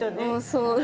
そう。